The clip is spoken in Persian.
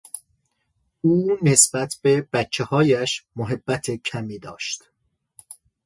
او نسبت به بچههایش محبت کمی داشت.